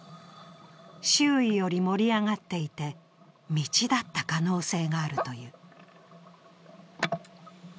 周囲より盛り上がっていて、道だった可能性があるという。